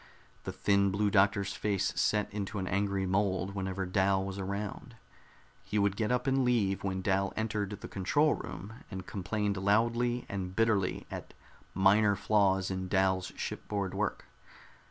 The thin Blue Doctor's face set into an angry mold whenever Dal was around. He would get up and leave when Dal entered the control room, and complained loudly and bitterly at minor flaws in Dal's shipboard work.